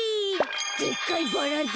でっかいバラだ。